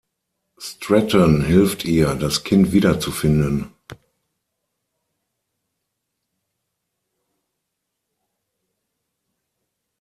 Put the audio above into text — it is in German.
Stratton hilft ihr, das Kind wiederzufinden.